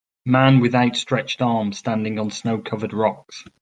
Man with outstretched arms standing on snowcovered rocks.